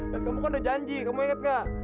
dan kamu kan udah janji kamu inget nggak